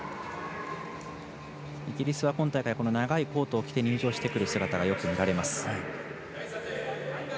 イギリスは今大会長いコートを着て入場してくる姿がよく見られます。